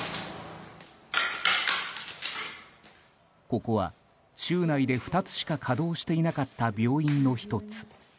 ここは州内で２つしか稼働していなかった病院の１つ。